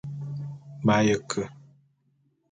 M'aye ke.